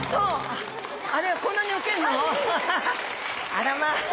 あらまあ！